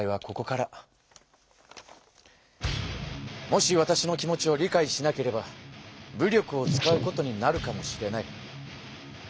「もしわたしの気持ちを理解しなければ武力を使うことになるかもしれない」。